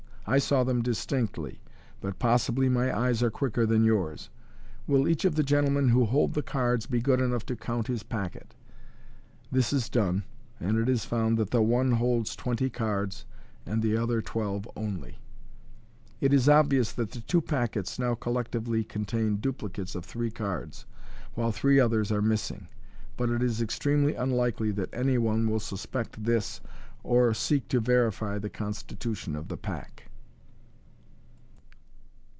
I saw them distinctly, but possibly my eyes are quicker than yours. Will each of the gentlemen who hold the cards be good enough to count his packet ?" This is done, and it is found that the one holds twenty cards, and the other twelve only. It is obvious that the two packets now collectively contain dupli cates of three cards, while three others are missing; but it is extremely unlikely that any one will suspect this, or seek to verifj the constitution of the pack.